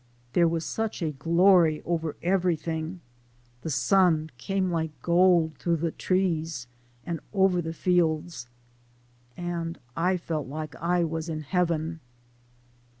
There was such a glory ober ebery ting ; de sun came like gold through the trees, and ober the fields, and I felt like I was in Heaben."